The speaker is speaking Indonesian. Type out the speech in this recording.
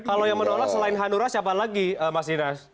kalau yang menolak selain hanura siapa lagi mas dinas